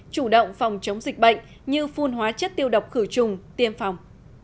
chủ động phòng chống dịch bệnh như phun hóa chất tiêu độc khử trùng tiêm phòng